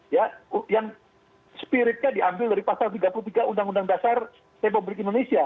ya yang spiritnya diambil dari pasal tiga puluh tiga undang undang dasar republik indonesia